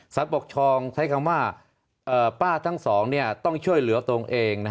ปกครองใช้คำว่าป้าทั้งสองต้องช่วยเหลือตัวเอง